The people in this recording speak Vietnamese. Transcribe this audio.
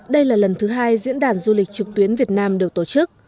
đây là lần thứ hai diễn đàn du lịch trực tuyến việt nam được tổ chức